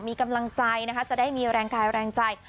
มีกำลังใจนะคะจะได้มีแรงกายแรงใจ